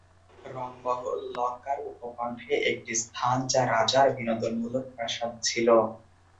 রঙমহল, লঙ্কার উপকণ্ঠে একটি স্থান যা রাজার বিনোদনমূলক প্রাসাদ ছিল।